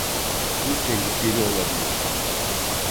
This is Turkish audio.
Bu tehlikeli olabilir.